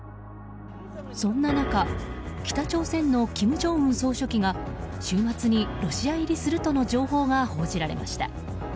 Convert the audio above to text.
そんな中北朝鮮の金正恩総書記が週末にロシア入りするとの情報が報じられました。